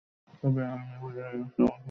আরে, আমি হলে এরকমটা বলতাম না।